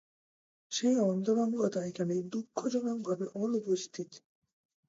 সেই অন্তরঙ্গতা এখানে দুঃখজনকভাবে অনুপস্থিত।